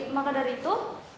maka dari itu